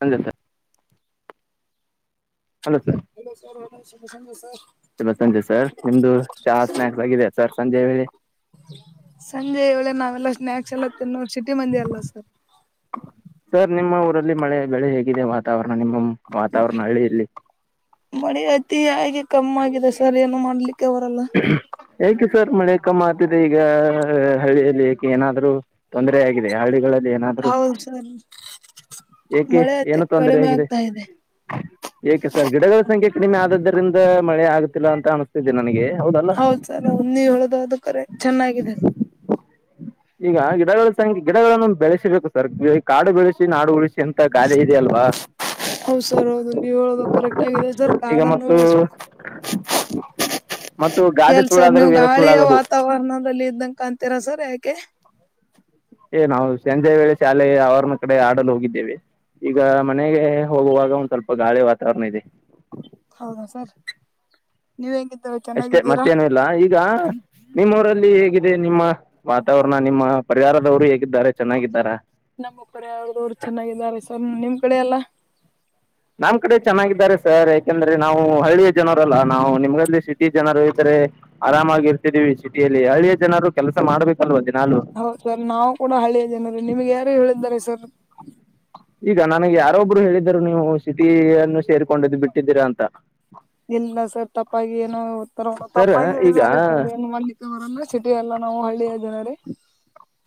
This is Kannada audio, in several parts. Hello sir. Hello sir. [unintelligible] ನಿಮ್ಮಾ ಸಂಜೆ ಸರ್ ನಿಮ್ದು ಚಹಾ ಸ್ನಾಯಕ್ಸ್ ಆಗಿದೆ ಸರ್ ಸಂಜೆವೇಳೆ. ಸಂಜೆವೇಳೆ ನಾವೆಲ್ಲ ಸ್ನಾಯಕ್ಸ್ ಎಲ್ಲ ತಿನ್ನೋ ಸಿಟಿ ಮಂದಿ ಅಲ್ಲ ಸರ್. ಸರ್ ನಿಮ್ಮ ಊರಲ್ಲಿ ಮಳೆ ಬೆಳೆ ಹೇಗಿದೆ ವಾತಾವರಣ ನಿಮ್ಮ ವಾತಾವರಣ ಹಳಿಯಲ್ಲಿ. ಮಳೆ ಅತಿ ಹಾಗೆ ಕಮ್ಮ ಆಗಿದೆ ಸರ್ ಏನು ಮಾಡ್ಲಿಕ್ಕೆ ಬರಲ್ಲ. ಏಕೆ ಸರ್ ಮಳೆ ಕಮ್ಮ ಆತಿದೆ ಈಗ ಹಳ್ಳಿಯಲ್ಲಿ ಏಕೆ ಏನಾದ್ರು. ತೊಂದರೆಯಾಗಿದಿಯಾ ಹಳ್ಳಿಗಳಲ್ಲಿ. ಏನಾದ್ರು ಹೌದು ಸರಿ ಏಕೆ ಮಳೆ ಆತಿ ಏನು ತೊಂದರೆ ಕಡಿಮೆ ಆಗಿದೆ ಆಗ್ತಾ ಇದೆ. ಏಕೆ ಸರ್ ಗಿಡಗಳ ಸಂಖ್ಯೆ ಕಡಿಮೆ ಆದದ್ದರಿಂದ ಮಳೆ ಆಗುತ್ತಿಲ್ಲಾ ಅಂತ ಅನ್ನಿ. ಅನಿಸುತ್ತಿದೆ ನನಗೆ ಹೌದಲ್ಲ ನೀ ಹೇಳೋದು ಅದು ಕರೆಕ್ಟ್ ಅದು ಚೆನ್ನಾಗಿದೆ. ಈಗ ಗಿಡಗಳ ಸಂಖ್ಯೆ ಗಿಡಗಳನ್ನು ಬೆಳೆಸಿಬೇಕು ಸರ್ ಕಾಡು ಬೆಳೆಸಿ ನಾಡು ಉಳಿಸಿ ಅಂತ ಗಾದೆ ಇದೆಯಲ್ವಾ. [inaudible] ಹೌದ್ ಸರ್ ಹೌದು ನೀವ್ ಹೇಳೋದು ಕರೆಕ್ಟ್ ಆಗಿದೆ ಸರ್ ಈಗ ಕಾರ್ಡನ್ನು ಮತ್ತು ಉಳಿಸಬೇಕು. ಮತ್ತು ಗಾದೆ ಎಲ್ ಸರ್ ಸುಳ್ಳಾದರೂ ನೀವು ವೇದ ಗಾಳಿಯ ಸುಳ್ಳಾಗದು ವಾತಾವರಣದಲ್ಲಿ ಇದ್ದಂಗೆ ಕಾಣಂತೀರಾ ಸರ್ ಯಾಕೆ. ಏ ನಾವು ಸಂಜೆ ವೇಳೆ ಶಾಲೆಗೆ ಆವರಣ ಕಡೆ ಆಡಲು ಹೋಗಿದ್ದೇವೆ. ಈಗ ಮನೆಗೆ ಹೋಗುವಾಗ ಒಂದ್ ಸ್ವಲ್ಪ ಗಾಳಿ ವಾತಾವರಣ ಇದೆ. ಹೌದಾ ಸರ್. ನೀವು [unintelligible] ಅಷ್ಟೇ ಮತ್ತೇನು ಇಲ್ಲ ಈಗ. ನಿಮ್ಮ ಊರಲ್ಲಿ ಹೇಗಿದೆ ನಿಮ್ಮ ವಾತಾವರಣ ನಿಮ್ಮ ಪರಿವಾರದವರು ಹೇಗಿದ್ದಾರೆ ಚೆನ್ನಾಗಿದ್ದಾರ. ನಮ್ಮ ಪರಿವಾರದವರು ಅವ್ರು ಚೆನ್ನಾಗಿದ್ದಾರೆ ಸರ್ ನಿಮ್ ಕಡೆ ಎಲ್ಲಾ. ನಮ್ ಕಡೆ ಚೆನ್ನಾಗಿದ್ದಾರೆ ಸರ್ ಯಾಕಂದ್ರೆ ನಾವು ಹಳ್ಳಿಯ ಜನರಲ್ಲಾ ನಾವು ನಿಮ್ಗ ಸಿಟಿ ಜನರು ಇದ್ದಾರೆ. ಆರಾಮಾಗಿ ಇರ್ತಿದೀವಿ ಸಿಟಿಯಲ್ಲಿ ಹಳ್ಳಿಯ ಜನರು ಕೆಲಸ ಮಾಡ್ಬೇಕಲ್ವಾ ದಿನಾಲೂ ಹೌದು ಸರ್ ನಾವು ಕೂಡ ಹಳ್ಳಿಯ ಜನ ನಿಮ್ಗೆ ಯಾರು ಹೇಳಿದ್ದಾರೆ ಸರ್. ಈಗ ನನಗೆ ಯಾರೊಬ್ರು ಹೇಳಿದರು ನೀವು ಸಿಟಿನ್ನು ಸೇರುತಿದೆರ ಅಂತ. ಇಲ್ಲ ಸರ್ ತಪ್ಪಾಗಿ ಏನೋ ಒತ್ತರ ಸರ್ ತಪ್ಪಾಗಿ ಈಗ ಹೇಳಿದ್ದಾರೆ ಸರ್ ನಿಮಲ್ಲಿ. ಸಿಟಿ ಎಲ್ಲ ನಾವು ಹಳ್ಳಿಯ ಜನರೇ.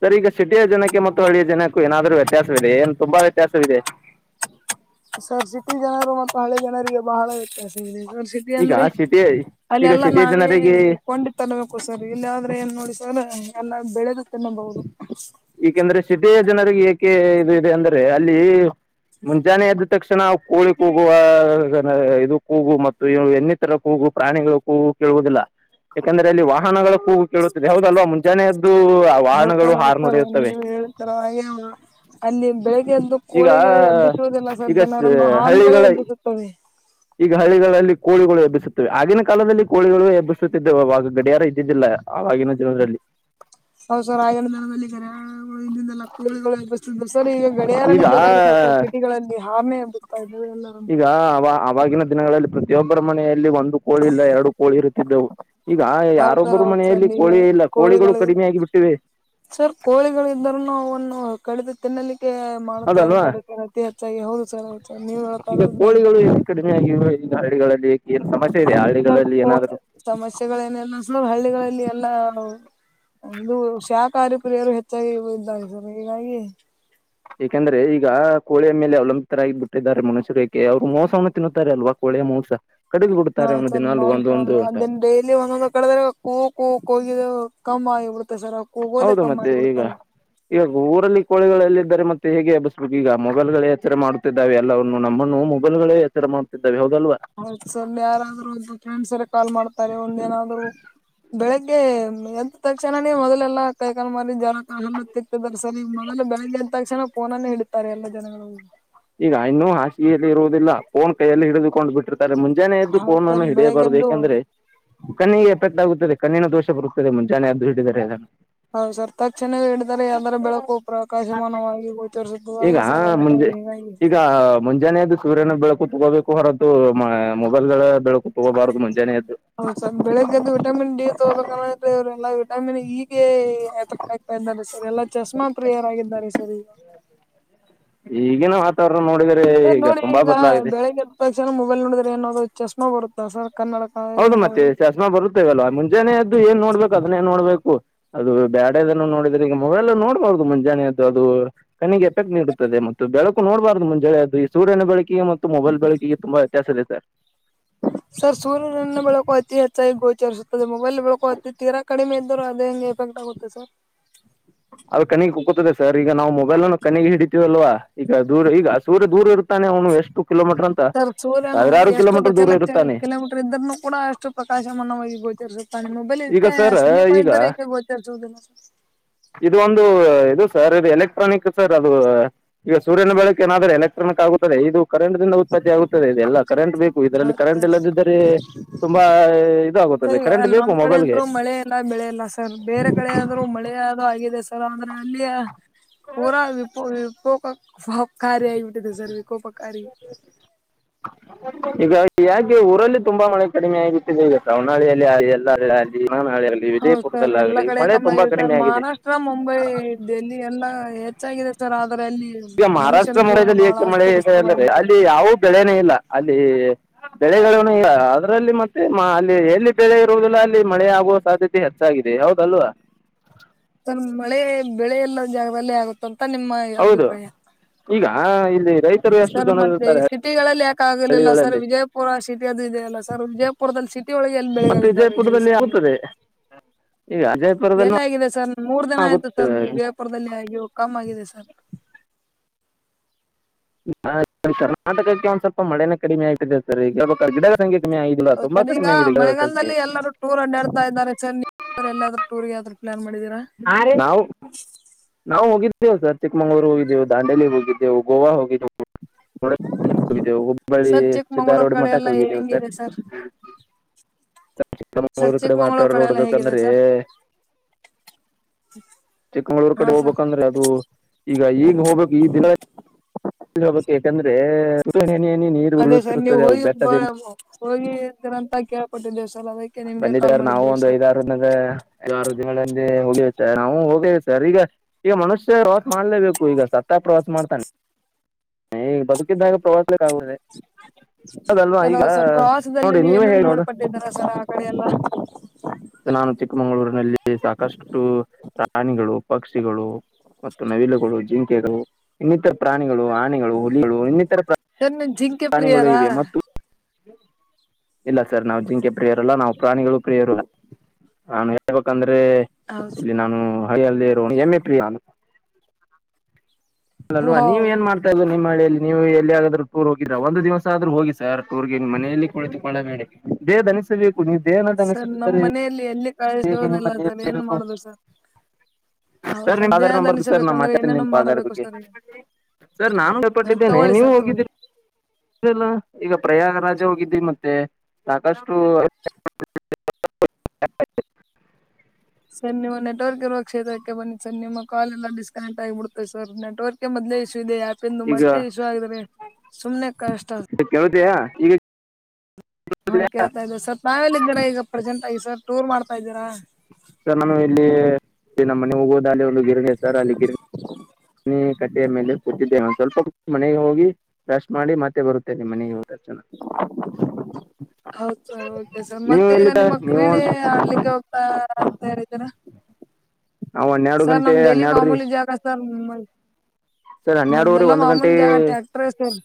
ಸರ್ ಈಗ ಸಿಟಿಯ ಜನಕ್ಕೆ ಮತ್ತು ಹಳ್ಳಿಯ ಜನಕ್ಕೂ ಏನಾದ್ರು ವ್ಯತ್ಯಾಸವಿದೆ ಏನ್ ತುಂಬಾ ವ್ಯತ್ಯಾಸವಿದೆ. ಸರ್ ಸಿಟಿ ಜನರು ಮತ್ತ ಹಳ್ಳಿ ಜನರಿಗೆ ಬಹಳ ವ್ಯತ್ಯಾಸ ಇದೆ ಸರ್. ಸಿಟಿ ಈಗ ಅಂದ್ರೆ ಸಿಟಿಯ ಈಗ ಅಲ್ಲೆಲ್ಲಾ ಸಿಟಿಯ ನಾವೇ ಜನರಿಗೆ ಕೊಂಡಿ. ತಿನ್ಬೇಕು ಸರ್ ಇಲ್ಲಿ ಆದ್ರೆ ಏನ್ ನೋಡಿ ಸರ್ ಎಲ್ಲ ಬೆಳೆದ ತಿನ್ನಬಹುದು. ಏಕೆಂದ್ರೆ ಸಿಟಿಯ ಜನರಿಗೆ ಏಕೆ ಇದು ಇದೆ ಅಂದ್ರೆ ಅಲ್ಲಿ. ಮುಂಜಾನೆ ಎದ್ದ ತಕ್ಷಣ ಕೋಳಿ ಕೂಗುವ ಇದು ಕೂಗು ಮತ್ತು. ತ್ತಾರ ಕೂಗು ಪ್ರಾಣಿಗಳ ಕೂಗು ಕೇಳುವುದಿಲ್ಲ. ಯಾಕಂದ್ರೆ ಅಲ್ಲಿ ವಾಹನಗಳ ಕೂಗು ಕೇಳುತ್ತದೆ ಹೌದಲ್ವಾ ಮುಂಜಾನೆಯದ್ದು ವಾಹನಗಳು ಹಾರ್ನ್ ಹೊಡೆಯೋದ್ ಹೇಳ್ತಾರ ಹಾಗ ಅಲ್ಲಿ ಬೆಳಿಗ್ಗೆ ಎದ್ದು ಈಗ ಕೋಳಿಗಳೇ ಹೆಬ್ಬಿಸುವುದಿಲ್ಲ ಸರ್ ಈಗ ಸ- ಜನರನ್ನು ಹಾರ್ನಗಳೇ ಹಳ್ಳಿಗಳ ಹೆಬ್ಬಿಸುತ್ತವೆ. ಈಗ ಹಳ್ಳಿಗಳಲ್ಲಿ ಕೋಳಿಗಳು ಹೆಬ್ಬಿಸುತ್ತವೆ ಆಗಿನ ಕಾಲದಲ್ಲಿ ಕೋಳಿಗಳು ಎಬ್ಬಿಸುತ್ತಿದ್ದಾವು ಅವಾಗ ಗಡಿಯಾರ ಇದ್ದಿದ್ದಿಲ್ಲ. ಆಗಿನ ಜನೋದಲ್ಲಿ ಹ ಸರ್ ದಿನದಲ್ಲಿ ಗಡಿಯಾರಗಳು ಇದ್ದೀದ್ದಿಲ್ಲ ಕೋಳಿಗಳೇ ಹೆಬ್ಬಸ್ ಸರ್ ಈಗ ಈಗ ಗಡಿಯಾರನ್ನೇ ಬೇಕಾಗಿಲ್ಲ ಸರ್ ಸಿಟಿಗಳಲ್ಲಿ ಹಾರ್ನೆ ಎಬ್ಬಸ್ತಾ ಇದ್ದಾವು ಎಲ್ಲಾ. ಯ ಅವ ಆವಾಗಿನ ದಿನಗಳಲ್ಲಿ ಪ್ರತಿಯೊಬ್ಬರ ಮನೆಯಲ್ಲಿ ಒಂದು ಕೋಳಿ ಇಲ್ಲ ಎರಡು ಕೋಳಿ ಇರುತ್ತಿದ್ದವು. ಈಗ ಹೌದ್ ಸರ್ ಯಾರೊಬ್ಬರು ಹೌದ್ ಸರ್ ಮನೆಯಲ್ಲಿ ಈಗ ಕೋಳಿ ಇಲ್ಲ ಕೋಳಿಗಳು ಕಡಿಮೆ ಆಗಿ ಬಿಟ್ಟಿವೆ. ಸರ್ ಕೋಳಿಗಳು ಇದರುನು ನಾವು ಅವನು ಕಡಿದು ತಿನ್ನಲಿಕ್ಕೆ ಮಾಡ್ತಾ ಅದಲ್ವಾ ಇದ್ದಾರೆ ಸರ್ ಅತಿ ಹೆಚ್ಚಾಗಿ ಹೌದು ಸರ್ ನೀವಳ್ತ ಬಂ ಕಡಿಮೆ ಆಗಿವೆ ಈಗ ಹಳ್ಳಿಗಳಲ್ಲಿ ಏನ್ ಸಮಸ್ಯೆ ಇದೆ ಹಳ್ಳಿಗಳಲ್ಲಿ ಏನಾದ್ರೂ ಸಮಸ್ಯೆಗಳು ಏನಿಲ್ಲ ಸರ್ ಹಳ್ಳಿಗಳಲ್ಲಿ ಎಲ್ಲಾ ಅದು ಶಾಖಾಹಾರಿ ಪ್ರಿಯರು ಹೆಚ್ಚಾಗಿ ಇದ್ದಾರೆ ಸರ್ ಹಂಗಾಗಿ ಏಕೆಂದ್ರೆ ಈಗ ಕೋಳಿಯ ಮೇಲೆ ಅವಲಂಬಿತರಾಗಿ ಬಿಟ್ಟಿದ್ದಾರೆ ಮನುಷ್ಯರು ಯಾಕೆಂದರೆ ಮಾಂಸವನ್ನು ತಿನ್ನುತ್ತಾರೆ ಅಲ್ವಾ. ಕೋಳಿ ಮೋಸ ಕಡಿದು ಹಾ ಬಿಡ್ತಾರೆ ಒಂದು ಸರ್ ದಿನಾಲೂ ಮಾಂಸ ಒಂದೊಂದು ಅಂತ. ಅದನ್ ಡೈಲಿ ಒಂದೊಂದು ಕಡಿದ್ದಾರೆ ಕೂ ಕೂ ಕೋಗಿದೆ ಕಮ್ಮ್ ಆಗಿಬಿಡತೆ ಸರ್ ಅವು. ಹೌದು ಮತ್ತೆ ಈಗ ಈವಾಗ ಊರಲ್ಲಿ ಕೋಳಿಗಳು ಎಲ್ಲಿದ್ದಾರೆ ಮತ್ತೆ ಹೇಗೆ ಎಬ್ಬಿಸ್ಬೇಕು ಈಗ ಮೊಬೈಲ್ ಗಳೇ ಎಚ್ಚರೆ ಮಾಡುತ್ತಿದ್ದಾವೆ ಎಲ್ಲನ್ನೂ ನಮ್ಮನ್ನು ಮೊಬೈಲ್ ಗಳೇ ಎಚ್ಚರ ಮಾಡ್ತಿದ್ದಾವೆ ಹೌದಲ್ವಾ ಆ ಸಲ್ ಯಾರಾದ್ರೂ ಒಂದು ಫ್ರೆಂಡ್ಸ್ ಎಲ್ಲಾ ಕಾಲ್ ಮಾಡ್ತಾರೆ ಒಂದು ಏನಾದ್ರು. ಬೆಳಿಗ್ಗೆ ಎದ್ದ್ ತಕ್ಷಣನೇ ಮೊದಲೆಲ್ಲಾ ಕೈ ಕಾಲು ಮಾರ ಜಳಕ್ ಹಾ ಸಿಕ್ತದರ್ ಸರ್ ಈಗ ಮೊದಲು ಬೆಳಗ್ಗೆ ಎಂತ ತಕ್ಷಣ ಪೋನನ್ನೇ ಹಿಡುತ್ತಾರೆ ಎಲ್ಲಾ ಜನಗಳು. ಈಗ ಇನ್ನೂ ಹಾಸಿಗೆಲ್ಲಿ ಇರುವುದಿಲ್ಲ ಪೋನ್ ಕೈಯಲ್ಲಿ ಹಿಡದುಕೊಂಡ್ ಬಿಟ್ಟಿರ್ ಸರ್ ಮುಂಜಾನೆ ಎದ್ದು ಹೌದು ಪೋನ್ನನ್ನೂ ಸರ್ ಹಿಡಿಯಬಾರದು ಬೆಳಿಗ್ಗೆದ್ದು ಏಕೆಂದ್ರೆ ಕಣ್ಣಿಗೆ ಎಪ್ಕೇಟ್ ಆಗುತ್ತದೆ ಕಣ್ಣಿನ ದೋಷ ಬರುತ್ತದೆ ಮುಂಜಾನೆ ಎದ್ದು ಹಿಡಿದಿದ್ದಾರೆ ಎಲ್ಲಾನೂ. ಹೌದು ಸರ್ ತಕ್ಷಣವೇ ಹಿಡಿದ್ದಾರೆ ಯಾವ್ದಾರ ಬೆಳಕು ಪ್ರಕಾಶಮಾನವಾಗ ಗೋಚರಿಸುತ್ತದೆ ಈಗ ಅಲ್ಲ ಸರ್ ಅದಕ್ಕ್ ಹ ಮುಂಜೆ [unintelligible] ಈಗ ಮುಂಜಾನೆ ಎದ್ದು ಸೂರ್ಯನ ಬೆಳಕು ತಗೋಬೇಕು ಹೊರತು ಮೊಬೈಲ್ ಗಳ ಬೆಳಕು ತಗೋಬಾರದು ಮುಂಜಾನೆ ಎದ್ದು ಹೌದು ಸರ್ ಬೆಳಿಗ್ಗೆ ಎದ್ದು ವಿಟಮಿನ್ ಡಿ ತಗೋಬೇಕಲ್ಲ ಇವರೆಲ್ಲಾ ವಿಟಮಿನ್ ಈ ಗೆ [unintelligible] ಎಂದಾರೆ ಸರ್ ಎಲ್ಲಾ ಚಸ್ಮಾ ಪ್ರಿಯರಾಗಿದ್ದಾರೆ ಸರ್ ಈಗ ಈಗಿನ ವಾತಾವರಣ ನೋಡಿದರೆ ಸರ್ ಈಗ ನೋಡಿ ತುಂಬಾ ಬದಲಾಗಿದೆ. ಬೆಳಿಗ್ಗೆ ಎದ್ದ ತಕ್ಷಣ ಮೊಬೈಲ್ ನೋಡಿದ್ರೆ ಏನಾದ್ರೂ ಚಸ್ಮಾ ಬರುತ್ತ ಸರ್ ಕನ್ನಡಕ್ ಹೌದು ಮತ್ತೆ ಚಸ್ಮಾ ಬರುತ್ತೇವಲ್ವಾ ಮುಂಜಾನೆ ಎದ್ದು ಏನ್ ನೋಡ್ಬೇಕು ಅದನ್ನೆ ನೋಡ್ಬೇಕು. ಅದು ಬ್ಯಾಡದನ್ನು ನೋಡಿದ್ರೆ ಈಗ ಮೊಬೈಲ್ ನೋಡ್ಬಹುದು ಮುಂಜಾನೆ ಎದ್ದು ಅದು ಕಣ್ಣಿಗೆ ಎಫೆಕ್ಟ್ ನೀಡುತ್ತದೆ ಮತ್ತು ಬೆಳಕು ನೋಡ್ಬಾರ್ದು ಮುಂಜಾನೆ ಎದ್ದು ಈ ಸೂರ್ಯನ ಬೆಳಕಿಗೆ ಮತ್ ತ್ತ್ ಮೊಬೈಲ್ ಬೆಳಕಿಗೆ ತುಂಬಾ ವ್ಯತ್ಯಾಸ ಇದೆ ಸರ್ ಸರ್ ಸೂರ್ಯನನ್ನ ಬೆಳಕು ಅತಿ ಹೆಚ್ಚಾಗಿ ಗೋಚರಿಸುತ್ತದೆ ಮೊಬೈಲ್ ಬೆಳಕು ಅತಿ ತೀರಾ ಕಡಿಮೆ ಇದ್ದರೂ ಅದು ಹೆಂಗೆ ಕಂಟಗುತ್ತೆ ಸರ್ ಅದು ಕಣ್ಣಿಗ್ ಕುಕುತ್ತದೆ ಸರ್ ಈಗ ನಾವು ಮೊಬೈಲ್ ಅನ್ನು ಕಣ್ಣಿಗೆ ಹಿಡಿತಿವಲ್ವಾ ಈಗ ದೂರ ಈಗ ಸೂರ್ಯ ದೂರ ಇರುತ್ತ್ ತಾನೆ ಅವನು ಎಷ್ಟು ಕಿಲೋ ಮೀಟರ್ ಅಂತ್ ಸರ್ ಸೂರ್ಯನು ಎಷ್ಟು ದಶಲಕ್ಷ ಇರುತ್ತಾನೆ ಕಿಲೋಮೀಟರ್ ಇದ್ರನು ಕೂಡ ಅಷ್ಟು ಪ್ರಕಾಶಮಾನವಾಗಿ ಗೋಚರಿಸುತ್ತ್ ಮೊಬೈಲ್ ಈಗ ಇದ್ರೆ ಸರ್ ಸನ್ನೀಪಾ ಈಗ ಇದ್ದರೆ ಗೋಚರಿಸುದಿಲ್ಲ ಸರ್ ಇದು ಒಂದು ಇದು ಸರ್ ಇದು ಎಲೆಕ್ಟ್ರಾನಿಕ್ ಸರ್ ಅದು ಈಗ ಸೂರ್ಯನ ಬೆಳಕೆ ಏನಾದ್ರೂ ಎಲೆಕ್ಟ್ರಾನಿಕ್ ಆಗುತ್ತದೆ ಇದು ಕರೆಂಟ್ ದಿಂದ ಉತ್ಪತ್ತಿ ಆಗುತ್ತದೆ ಇದೆಲ್ಲ ಕರೆಂಟ್ ಬೇಕು ಇದರಲ್ಲಿ ಹೌದು ಕರೆಂಟ್ ಸರ್ ಇಲ್ಲದಿದ್ದರೆ ತುಂಬಾ ಇದಾಗುತ್ತದೆ. ಕರೆಂಟ್ ನಮ್ಮ್ ಬೇಕು ಕಡೆ ಮೊಬೈಲ್ಗೆ ಅಂತರು ಮಳೆ ಎಲ್ಲ ಬೆಳೆ ಇಲ್ಲ ಸರ್ ಬೇರೆ ಕಡೆ ಆದರು ಮಳೆ ಅದು ಆಗಿದೆ ಸರ್ ಅಂದ್ರೆ ಅಲ್ಲಿಯ ಪೂರಾ ವಿಪ ವಿಪೋ [unintelligible] ಸಾರಿ ಸರ್ [unintelligible] ಆಗಿದೆ ವಿಕೋಪಕಾರಿ ಈಗ ಯಾಕೆ ಊರಲ್ಲಿ ತುಂಬಾ ಮಳೆ ಕಡಿಮೆ ಆಗಿಬಿಟ್ಟಿದೆ ಈಗ ಸವಣಾಳಿಯಲ್ಲಿ ಎಲ್ಲ ಆ ಅಲ್ಲಿ ಮಾನಾಳಿ ಹೌದ ಸರ್ ಎಲ್ಲಾ ಕಡೆ ಕಮ್ಮಿ ಯಾಗಿದೆ ಸರ್ ಆಗಿದೆ ಮಹಾರಾಷ್ಟ್ರ ಮುಂಬೈ ಡೆಲ್ಲಿ ಎಲ್ಲಾ ಹೆಚ್ಚಾಗಿದೆ ಆದರೆ ಅಲ್ಲಿ ಈಗ ಮನುಷ್ಯನ ಮಹಾರಾಷ್ಟ್ರ ಜೀವನ ಬಹಳ ಅಸ್ತವ್ಯಸ್ತವಾಗಿಬಿಟ್ಟಿದೆ. ಬೆಳೆನೆ ಇಲ್ಲ ಅಲ್ಲಿ ಬೆಳೆ [unintelligible] ಅದ್ರಲ್ಲಿ ಮತ್ತೆ ಅಲ್ಲಿ ಎಲ್ಲಿ ಬೆಳೆ ಇರುವುದಿಲ್ಲ ಅಲ್ಲಿ ಮಳೆ ಆಗುವ ಸಾಧ್ಯತೆ. [unintelligible] ಹೆಚ್ಚಾಗಿದೆ ಹೌದಲ್ವಾ ಮಳೆ ಬೆಳೆ ಎಲ್ಲ ಜಾಗದಲ್ಲಿ ಆಗುತ್ತಂತ ನಿಮ್ಮ ಹೌದು ಅಭಿಪ್ರಾಯ ಈಗ ಇಲ್ಲಿ ರೈತರು ಎಷ್ಟು ಸರ್ ಜನ ಮತ್ತೆ ಈ ಇರ್ತಾರೆ ಸಿಟಿಗಳಲ್ಲಿ ಯಾಕ ಆಗರ್ಲಿಲ್ಲ ಸರ್ ಹಳ್ಳಿಗಳಲ್ಲಿ ವಿಜಯಪುರ ಸಿಟಿ ಅದು ಇದದೆ ಅಲ್ಲ ಸರ್ ವಿಜಯಪುರ ಪುರದಲ್ಲಿ ಸಿಟಿ ಒಳಗೆ ಎಲ್ಲಿ ಮತ್ತು ಬೆಳೆಗಳಿದ್ದಾವೆ ಹೇಳಿ ವಿಜಯಪುರದಲ್ಲಿ ಸರ್ ನೀವು ಆಗುತ್ತದೆ ಈಗ ವಿಜಯಪುರದಲ್ಲೂ ಎಲ್ಲ ಆಗಿದೆ ಸರ್ ಮೂರ್ ದಿನ ಆಗುತ್ತೆ ಆಯ್ತು ಸರ್ ವಿಜಯಪುರದಲ್ಲಿ ಆಗಿ ಕಮ್ಮ್ ಆಗಿದೆ ಸರ್ ಕರ್ನಾಟಕಕ್ಕೆ ಒಂದ್ ಸ್ವಲ್ಪ ಮಳೆನೇ ಕಡಿಮೆ ಆಗ್ತಿದೆ ಸರ್ ಈಗಾಗ ಗಿಡಗಳ ಸಂಖ್ಯೆ ಕಮ್ಮಿ ಆಗಿದೆ ಇಲ್ಲ ತುಂಬಾ ಸರ್ ಈಗ ಕಡಿಮೆ ಆಗಿದೆ [unintelligible] ಸಂಖ್ಯೆ ಮಳೆಗಾಲದಲ್ಲಿ ಎಲ್ಲರೂ ಟೂರ್ ಅಂಡಾಡ್ತಾ ಇದ್ದಾರೆ ಸರ್ ನೀ ಎಲ್ಲಾದ್ರೂ ಟೂರಿಗೆ ಯ ಆದ್ರೂ ಪ್ಲಾನ್ ಮಾಡಿದೀರಾ? ಹ ರಿ ನಾವು ನಾವು ಹೋಗಿದ್ದೇವು ಸರ್ ಚಿಕ್ಕಮಂಗಳೂರು ಹೋಗಿದ್ದೇವು ದಾಂಡಲಿ ಹೋಗಿದ್ದೇವು ಗೋವಾ ಹೋಗಿದ್ದೇವು. [inaudible] [unintelligible] ಹೋಗಿದ್ದೆವು ಹುಬ್ಬಳ್ಳಿ ಸರ್ ಚಿಕ್ಕಮಂಗ್ಳೂರ್ ಸಿದ್ಧಾರೂಢ ಕಡೆ ಎಲ್ಲ ಮಠಕ್ಕೆ ಹೋಗಿದ್ದೇವು ಸರ್. ಹೆಂಗಿದೆ ಸರ್ ಚಿಕ್ಕಮಂಗಳೂರ್ ಕಡೆ ಚಿಕ್ಕಮಂಗ್ಳೂರ್ ವಾತಾವರಣ ಕಡೆ ಎಲ್ಲ ಹೇಗಿದೆ ನೋಡ್ಬೇಕಂದ್ರೆ ಸರ್ ಚಿಕ್ಕಮಂಗಳೂರ್ ಹಾ ಕಡೆ ಸರ್ ಹೋಗ್ಬೇಕಂದ್ರೆ ಅದು ಈಗ ಈಗ ಹೋಗ್ಬೇಕು ಈ ದಿನ ಹೋಗಬೇಕ ಯಾಕಂದ್ರೆ [unintelligible] ನೀರು ಅದೇ ಸರ್ ನೀವು ಉರುಳಿರುತ್ತದೆ ಅ ಬೆಟ್ಟದಿಂದ ಹೋಗಿ ಇದ್ರಂತ ಕೇಳ್ಪಟ್ಟಿದ್ದೇವ ಸರ್ ಅದಕ್ಕೆ ನಿಮ್ಗೆ ಕಾಲ್ ಬಂದಿದ್ದಾರ ನಾವು ಮಾಡಿದ್ದೇವೆ ಒಂದು ಸರ್ ಐದ್ ನಾವು ಆರು ದಿನ ರು ದಿನಗಳಲ್ಲಿ ನಾವು ಹೋಗಿವ ಸರ್ ನಾವು ಹೋಗೇವಿ ಸರ್ ಈಗ ಈಗ ಮನುಷ್ಯ ಪ್ರವಾಸ ಮಾಡ್ಲೇಬೇಕು ಈಗ ಸತ್ತಗಾ ಪ್ರವಾಸ ಮಾಡ್ತಾನೆ ಈಗ ಬದುಕಿದ್ದಾಗ ಪ್ರವಾಸ ಅದಲ್ವಾ ಈಗ ನೋಡ್ರಿ ನೀವೇ ಹೇ ನೋಡ [unintelligible] ರಸರ ಆ ಕಡೆ ಎಲ್ಲ ನಾನು ಚಿಕ್ಕಮಗಳೂರಿನಲ್ಲಿ ಸಾಕಷ್ಟು ಪ್ರಾಣಿಗಳು ಪಕ್ಷಿಗಳು ಮತ್ತು ನವಿಲುಗಳು ಜಿಂಕೆಗಳು ಇನ್ನಿತರ ಪ್ರಾಣಿಗಳು ಆನೆಗಳು ಹುಲಿಗಳು ಇನ್ನಿತರ ಪ್ರ [unintelligible] [unintelligible] ಪ್ರಾಣಿಗಳು ಇವೆ ಮತ್ತು ಇಲ್ಲ ಸರ್ ನಾವ್ ಜಿಂಕೆ ಪ್ರಿಯರಲ್ಲಾ ನಾವೂ ಪ್ರಾಣಿಗಳು ಪ್ರಿಯರು ಅಲ್ಲಾ ನಾನು ಹೇಳ್ಬೇಕಂದ್ರೆ ಹೌದು ಇಲ್ಲಿ ಸರ್ ನಾನು ಹಳ್ಳಿ ಯಲಿರುವ ಎಮ್ಮೆ ಪ್ರಿಯ ಅಲ್ಲಲ್ವಾ ನೀವ ವಾವ್ ಏನ್ ಮಾಡ್ತ ನಿಮ್ಮ ಹಳಿಯಲ್ಲಿ ನೀವು ಎಲ್ಲಿ ಆದ್ರು ಟೂರ್ ಹೋಗಿದ್ರಾ ಒಂದು ದಿವಸ ಆದೂ ಹೋಗಿ ಸರ್ ಟೂರ್ಗೆ ನಿಮ್ ಮನೆಯಲ್ಲಿ ಕುಳಿತುಕೊಳ್ಳಬೇಡಿ ದೇಹ ದಣಿಸಬೇಕು ನೀವು ದೇಹನ ಸರ್ ನಮ್ಮ್ ದಣಿಸಿದರೆ ಮನೆಯಲ್ಲಿ ಎಲ್ಲಿ ಗ ನೀ [unintelligible] ಮ ಕಳಿಸೋದಿಲ್ಲ ಸರ್ ಏನ್ ಬು ಮಾಡುದು ಸರ್ ಹೌ [unintelligible] ಸರ್ ನಿಮ್ಮ ಸದ್ಯ ಆಧಾರ್ ನಂಬರ್ ಸರ್ ನಾ ದನಿಸಬೇಕಂದ್ರೆ ಮಾತಾಡ್ತೀನಿ ಏನೇನೋ ನಿಮ್ಮ ಆಧಾರ್ ಮಾಡಬೇಕು ಬಗ್ಗೆ ಸರ್ ಈಗ ಸರ್ ನಾನು ಹ [unintelligible] ತಗೊಳ್ಳಿ ನೀವು ಸರ್ ತಗೊಳ್ಳಿ ಹೋಗಿದ್ದೀರಿ ಇಲ್ಲ ಈಗ ಪ್ರಯಾಗರಾಜ ಹೋಗಿದ್ವಿ ಮತ್ತೆ ಸಾಕಷ್ಟು ಸರ್ ನಿವು ನೆಟ್ವರ್ಕ್ ಇರುವ ಕ್ಷೇತ್ರಕ್ಕೆ ಬನ್ನಿ ಸರ್ ನಿಮ್ಮ ಕಾಲ್ ಎಲ್ಲಾ ಡಿಸ್ಕನೆಕ್ಟ್ ಆಗಿಬಿಡ್ದೆ ಸರ್ ನೆಟ್ವರ್ಕ್ ಮೊದ್ಲೇ ಇಶೂ ಇದೆ ಯಾಕೆಂದು ಈಗ ಮದೆ ಇಶೂ ಆದ್ರೆ ಸುಮ್ನೆ ಕಷ್ಟ ಕೇಳತಿಯಾ ಈಗ ಹಾ ಕೇಳ್ತೀಯಾ? ಕೇಳ್ತಾ ಇದ್ದೆ ಸರ್ ತಾವೆಲ್ಲಿ ಇದ್ದೀರಾ ಈಗ ಪ್ರೆಸೆಂಟ್ ಆಗಿ ಸರ್ ಟೂರ್ ಮಾಡ್ತಾ ಇದೀರಾ ಸರ್ ನಾನು ಇಲ್ಲಿ ನಮ್ಮ ಮನೆ ಹೋಗುವುದು [unintelligible] [unintelligible] ಗಿರಣಿ ಕಟ್ಟೆಯ ಮೇಲೆ ಕುಳಿತೀದು ಒಂದ ಸ್ವಲ್ಪ ಮನೆಗೆ ಹೋಗಿ ಬ್ರೆಶ್ ಮಾಡಿ ಮತ್ತೆ ಬರುತ್ತೇವೆ ಮನೆಗೆ ಹೋಗಿ ಹೌದು ಸರ್ ಓಕೆ ಸರ್ ನೀವು ಮತ್ತೆ ಈಗ ಎಲ್ಲಿದ್ದ ನಿಮ್ಮ ನೀವು ಕ್ರೀಡೆ ಒಂದ್ ಆಡ್ಲಿಕ್ಕೆ [unintelligible] ಅಂತ ಹೇಳಿದ್ದೀರಾ ನಾವು ಹನ್ನೆರಡು ಸರ್ ಗಂಟೆ ನಮ್ ಡೈಲಿ ಹನ್ನೆರಡು ರೀ ಮಾಮೂಲಿ ಜಾಗ ಸರ್ ಸರ್ ಹನ್ನೆರಡೂವರೆ ನಮ್ದೆಲ್ಲ ಒಂದು ಗಂಟೆ ಮಾಮೂಲಿ ಜಾಗ ಟಾಕ್ [unintelligible]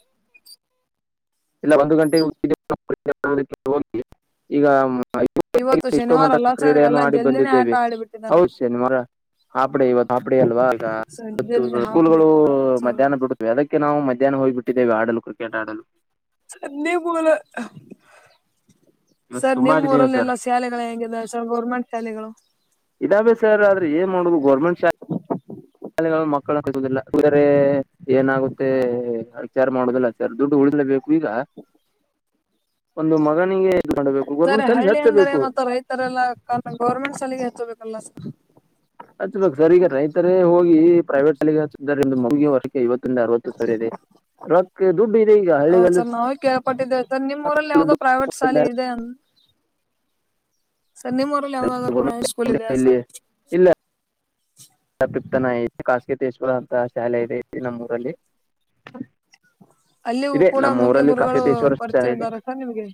ಇಲ್ಲ ಒಂದು ಗಂಟೆಗೆ [unintelligible] ಈಗ ಇವತ್ತು ಎಷ್ಟೋ ಶನಿವಾರ ಅಲ್ಲ ಮಟ್ಟದ ಸರ್ ಕ್ರೀಡೆಯನ್ನು ಎಲ್ಲಾ ಆಡಿ ಜಲ್ದಿನೇ ಆಟ ಬಂದಿದ್ದೇವೆ ಆಡಿಬಿಟ್ಟಿದಾರ [unintelligible] ಹಾಪಡಿ ಇವತ್ತು ಹಾಪಡಿ ಅಲ್ವಾ ಆಗ ಸಂಜೆಲ್ಲಿ ಹಾಫ್ ಸ್ಕೂಲ್ ಡೇ ಗಳು ಸರ್ ಸರ್ ಮಧ್ಯಾಹ್ನ ಬಿಡು ಅದಕ್ಕೆ ನಾವು ಮಧ್ಯಾಹ್ನ ಹೋಗಿಬಿಟ್ಟಿದ್ದೇವೆ ಆಡಲು ಕ್ರಿಕೆಟ್ ಆಡಲು ಸರ್ ನಿಮ್ [unintelligible] ಇವತ್ತು ಸರ್ ತುಂಬಾ ನಿಮ್ಮ್ ಆಡಿದ್ದೇವೆ ಊರಲ್ಲಿ ಸರ್ ಎಲ್ಲಾ ಸಿ ಶಾಲೆಗಳು ಹೆೇಂಗಿದಾವ ಸರ್ ಗೌರ್ಮೆಂಟ್ ಶಾಲೆಗಳು ಇದಾವೇ ಸರ್ ಆದ್ರೆ ಏನ್ ಮಾಡುದು ಗೌರ್ಮೆಂಟ್ ಶಾಲೆ ಮಕ್ಕಳನ್ನ [unintelligible] ಏನಾಗುತ್ತೆ ವಿಚಾರ ಮಾಡುವುದಿಲ್ಲ [unintelligible] ಈಗ ಒಂದು ಮಗನಿಗೆ ಇದು ಮಾಡಬೇಕು ಸರ್ ಗೌರ್ಮೆಂಟ್ ಶಾಲೆಗೆ ಹಳ್ಳಿ ಅಂದರೆ ಹಚ್ಚಬೇಕು ಮತ್ತ ರೈತರೆಲ್ಲ ಕ ಗೌರ್ಮೆಂಟ್ ಸಾಲಿಗೆ ಹಚ್ಚಬೇಕಲ್ಲಾ ಸರ್ ಹಚ್ ಬೇಕ್ ಸರ್ ಈಗ ರೈತರೇ ಹೋಗಿ ಪ್ರೈವೇಟ್ ಶಾಲಿಗಿ ಇದರಿಂದು [unintelligible] ಐವತ್ತಂದ ಅರವತ್ತು ಸಾವಿರ ಇದೆ ರೊಕ್ಕ ದುಡ್ಡು ಇದೆ ಈಗ ಹೌದ ಹಳ್ಳಿಗಲ್ಲಿ ಸರ್ ನಾವೇ ಕೇಳಪಟ್ಟಿದ್ದೇವೆ ಸರ್ ನಿಮ್ ಊರಲ್ಲಿ ಯಾವ್ದೋ ಪ್ರೈವೇಟ್ ಶಾಲೆ ಇದೆ ಅಂತ ಸರ್ ನೀಮ ಊರಲಿ ಯಾವುದರೂ ಪ್ರೈವೇಟ್ ಸ್ಕೂಲ್ ಇದೆಯಾ ಇಲ್ಲಿ ಸರ್ [unintelligible] ಖಾಸಗಿತೇಶ್ವರ ಅಂತ ಶಾಲೆ ಇದೆ ನಮ್ಮೂಊರಲ್ಲಿ ಅಲ್ಲಿಯೂ ಇದೆ ಕೂಡ ನಮ್ಮ ಮುಖ್ಯ ಊರಲ್ಲಿ ಗುರುಗಳು ಕಫತೇಶ್ವರ ಶಾಲೆ ಪರಿಚಯ ಇದೆ ಇದ್ದಾರೆ ಸರ್ ನಿಮ್ಗೆ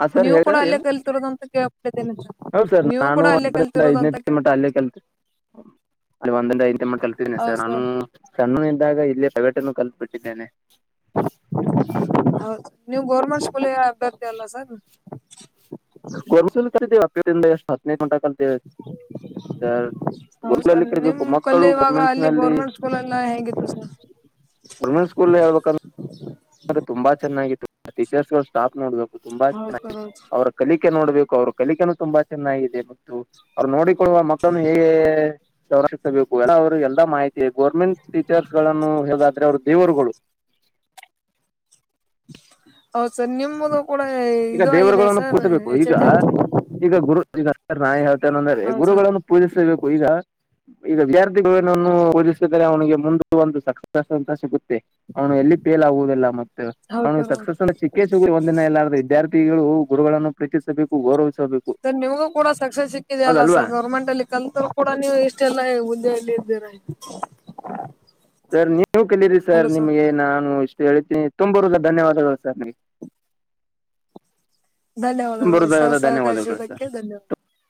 ಹಾ ಸರ್ ನೀವು ಕೂಡ [unintelligible] [unintelligible] ಹೌದದು ಸರ್ ನೀವು ನಾನು ಕೂಡ ಅಲ್ಲೇ ಒಂದರಿ ಕಲ್ತಿರೋದಂತ ಕೇಳ್ಪಟ್ಟಿದ್ದೇನೆ [unintelligible] ಸರ್ ನಾನು ಸಣ್ಣನಿಂದಾಗ ಇಲ್ಲೇ ಕರಾಟೆನೂ ಕಲ್ತ್ ಬಿಟ್ಟಿದ್ದೇನೆ ಹೌದು ನೀವು ಗೌರ್ಮೆಂಟ್ ಸ್ಕೂಲ್ ಅಭ್ಯರ್ಥಿ ಅಲ್ಲಾ ಸರ್ [unintelligible] ಹೌದಸರ್ ನಿಮ್ ಕಲಿಬೇಕು ಮಕ್ಕಳು ಕಲ್ಲಿಯುವಾಗ ಗೌರ್ಮೆಂಟ್ಸ್ ಅಲ್ಲಿ ನಲ್ಲಿ ಗೌರ್ಮೆಂಟ್ ಸ್ಕೂಲ್ ಎಲ್ಲ ಹೇಗಿತ್ತು ಸರ್ ಗೌರ್ಮೆಂಟ್ ಸ್ಕೂಲ್ ಹೇಳಬೇಕಂದ್ರ [inaudible] ತುಂಬಾ ಚೆನ್ನಾಗಿತ್ತು ಟೀಚರ್ಸ್ ಗಳು ಸ್ಟಾಫ್ ನೋಡ್ಬೇಕು ತುಂಬಾ ಹೌದು ಚೆನ್ನಾಗಿ ಸರ್ ಹೌದು ಅವ್ರ ಕಲಿಕೆ ನೋಡ್ಬೇಕು ಅವರು ಕಲಿಕೆನು ತುಂಬಾ ಚೆನ್ನಾಗಿದೆ ಮತ್ತು ಅವ್ರು ನೋಡಿ [unintelligible] ಮಕ್ಕಳನ್ನು ಹೇಗೆ [unintelligible] ಎಲ್ಲಾ ಮಾಹಿತಿ ಈ ಗೌರ್ಮೆಂಟ್ ಟೀಚರ್ಸ್ ಗಳನ್ನು ಹೇಳೋದಾದ್ರೆ ಅವರು ದೇವರುಗಳು ಹೌದು ಸರ್ ನಿಮ್ಮದು ಕೂಡ ಈಗ ಇದು ಆಗಿದೆ ದೇವರುಗಳನ್ನು ಸರ್ ಪೂಜಸಬೇಕು ಎಚ್ ಈಗ ಎಲ್ ಡಿ. ಹೌದು ಸರ್ ಈಗ ಗುರು ಈಗ ಅತ್ತರ ನಾ ಹೇಳ್ತೇನೆಂದ್ರೆ ಹೌದು ಗುರುಗಳನ್ನು ಪೂಜಿಸಬೇಕು ಈಗ ಈಗ ವಿದ್ಯಾರ್ಥಿಗಳುನನ್ನು ಓದಿಸಿದರೆ ಅವನಿಗೆ ಮುಂದು ಒಂದು ಸಕ್ಸಸ್ ಅಂತಾ ಸಿಗುತ್ತೆ ಅವನು ಎಲ್ಲಿ ಪೇಲ್ ಆಗುವುದಿಲ್ಲ ಮತ್ತೆ ಹೌದು ಹೌದ ಇಲ್ಲಾ ಅಂದರ್ ವಿದ್ಯಾರ್ಥಿಗಳು ಗುರುಗಳನ್ನು ಪ್ರೀತಿಸಬೇಕು ಗೌರವ ಸರ್ ನಿಮ್ಗೂ ಕೂಡ ಸಕ್ಸಸ್ ಸಿಕ್ಕಿದೆಯಲ್ಲ ಹೌದಲ್ವಾ ಸರ್ ಗೌರ್ಮೆಂಟ್ ಅಲ್ಲಿ ಕಲ್ತರು ಕೂಡ ನೀವು ಇಷ್ಟೆಲ್ಲ ಹುದ್ದೆಯಲ್ಲಿ ಇದ್ದೀರಾ ಸರ್ ನೀವು ಕಲಿರಿ ಸರ್ ನಿಮಗೆ ನಾನು ಇಷ್ಟು ಹೇಳೇತೀನಿ ತುಂಬು ಹೃದಯದ ಧನ್ಯವಾದಗಳು ಸರ್ ನಿಮ್ಗೆ [inaudible] ತುಂಬಾ ಧನ್ಯವಾದಗಳು ಹೃದಯದ ಸರ್ ಧನ್ಯವಾದಗಳು ಸರ್ ಸಹಕರಿಸುವುದಕ್ಕೆ ಧನ್ಯವಾದ